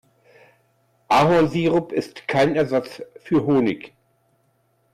Ahornsirup ist kein Ersatz für Honig.